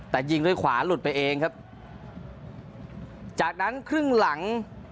แต่ยิงด้วยขวาหลุดไปเองครับจากนั้นครึ่งหลัง